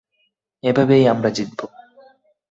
এভাবেই আমরা জিতব।